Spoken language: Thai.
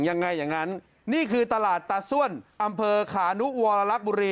อย่างนั้นนี่คือตลาดตาส้วนอำเภอขานุวรรลักษบุรี